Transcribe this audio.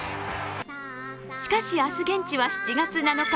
しかし明日現地は７月７日。